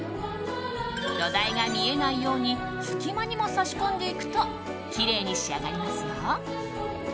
土台が見えないように隙間にも差し込んでいくときれいに仕上がりますよ。